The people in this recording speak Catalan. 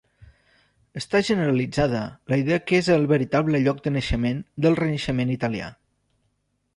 Està generalitzada la idea que és el veritable lloc de naixement del Renaixement italià.